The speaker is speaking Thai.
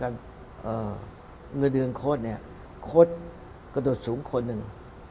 เงินเดือนโค้ดเนี่ยโค้ดกระโดดสูงคนหนึ่ง